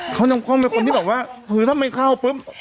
เขานำกล้องเป็นคนที่บอกว่าคือถ้าไม่เข้าปุ๊บ